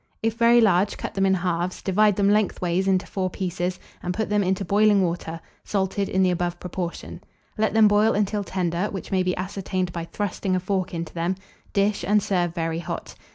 If very large, cut them in halves, divide them lengthwise into four pieces, and put them into boiling water, salted in the above proportion; let them boil until tender, which may be ascertained by thrusting a fork into them: dish, and serve very hot.